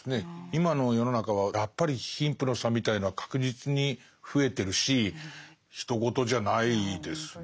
今の世の中はやっぱり貧富の差みたいのは確実に増えてるしひと事じゃないですね。